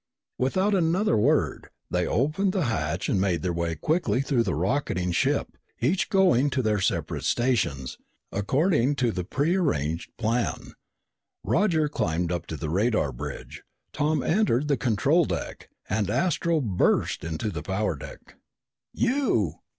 Without another word, they opened the hatch and made their way quickly through the rocketing ship, each going to their separate stations, according to the prearranged plan. Roger climbed up to the radar bridge, Tom entered the control deck, and Astro burst into the power deck. "You!"